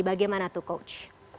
bagaimana tuh coach